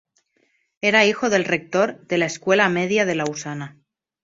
Era hijo del rector de la escuela media en Lausana.